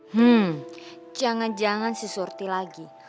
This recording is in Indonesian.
hmm jangan jangan si surti lagi